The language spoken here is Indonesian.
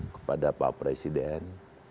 kepada pak presiden